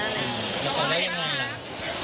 แล้วก็ได้ยังไงล่ะ